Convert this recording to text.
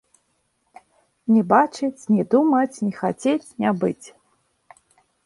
Не бачыць, не думаць не хацець, не быць!